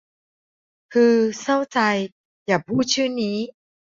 ฮือเศร้าใจ อย่าพูดชื่อนี้